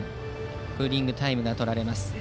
クーリングタイムがとられます。